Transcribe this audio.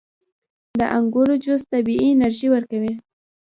• د انګورو جوس طبیعي انرژي ورکوي.